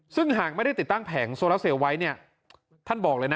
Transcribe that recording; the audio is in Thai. ซึ่งหากไม่ได้ติดตั้งแผงโซลาเซลไว้เนี่ยท่านบอกเลยนะ